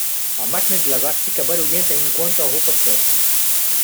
A máquina de lavar fica barulhenta enquanto a roupa seca.